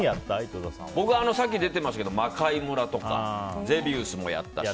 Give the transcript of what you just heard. さっき出てましたけど「魔界村」とか「ゼビウス」もやったし